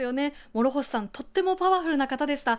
諸星さん、とってもパワフルな方でした。